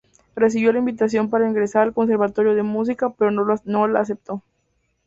Recibió la invitación para ingresar al Conservatorio de Música pero no la aceptó.